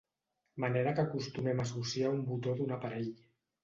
Manera que acostumem a associar a un botó d'un aparell.